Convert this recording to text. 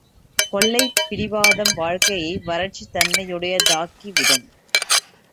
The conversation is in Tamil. கொள்கைப் பிடிவாதம் வாழ்க்கையை வறட்சித் தன்மையுடையதாக்கிவிடும்.